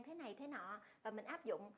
thế này thế nọ và mình áp dụng